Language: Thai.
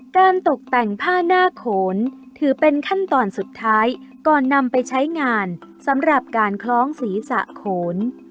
ตกแต่งผ้าหน้าโขนถือเป็นขั้นตอนสุดท้ายก่อนนำไปใช้งานสำหรับการคล้องศีรษะโขน